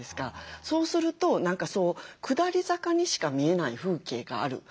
そうすると下り坂にしか見えない風景があると思うんですよね。